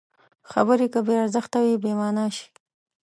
خبرې که بې ارزښته وي، بېمانا شي.